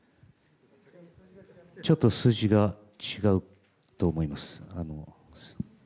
ちょっと数字が違うと思います。